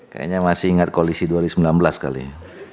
kayaknya masih ingat koalisi dua ribu sembilan belas kali